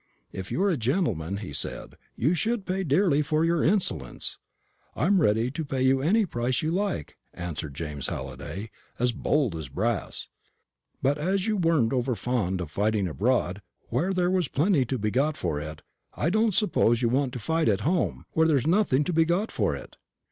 'If you were a gentleman,' he said, 'you should pay dearly for your insolence.' 'I'm ready to pay any price you like,' answered James Halliday, as bold as brass; 'but as you weren't over fond of fighting abroad, where there was plenty to be got for it, I don't suppose you want to fight at home, where there's nothing to be got for it.'"